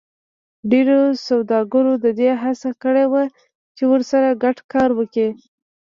ډېرو سوداګرو د دې هڅه کړې وه چې ورسره ګډ کار وکړي